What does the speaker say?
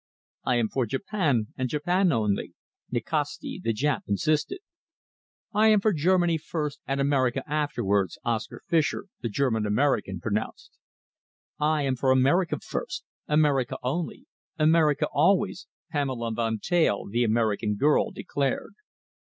"I am for Japan and Japan only," Nikasti, the Jap, insisted. "I am for Germany first and America afterwards," Oscar Fischer, the German American pronounced. "I am for America first, America only, America always," Pamela Van Teyl, the American girl, declared.